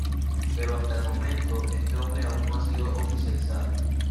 Pero hasta el momento, este nombre aún no ha sido oficializado.